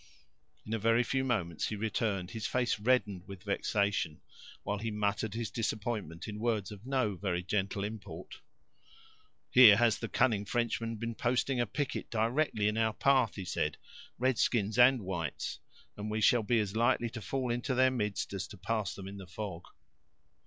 In a very few moments he returned, his face reddened with vexation, while he muttered his disappointment in words of no very gentle import. "Here has the cunning Frenchman been posting a picket directly in our path," he said; "red skins and whites; and we shall be as likely to fall into their midst as to pass them in the fog!"